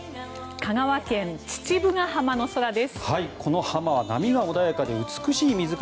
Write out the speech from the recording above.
香川県・父母ヶ浜の空です。